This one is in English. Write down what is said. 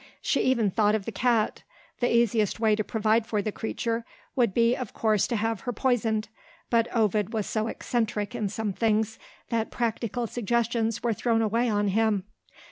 She even thought of the cat. The easiest way to provide for the creature would be of course to have her poisoned; but Ovid was so eccentric in some things, that practical suggestions were thrown away on him.